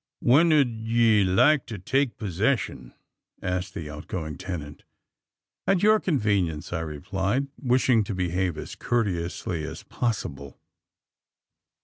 "When 'ud ye like to take pursession?" asked the outgoing tenant. "At your convenience," I replied, wishing to behave as courteously as possible.